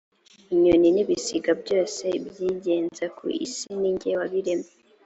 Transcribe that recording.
inyoni n’ ibisiga byose, ibyigenza ku isi ninjye wabiremye